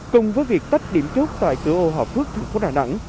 cùng với việc tách điểm chốt tại cửa âu hòa phước thành phố đà nẵng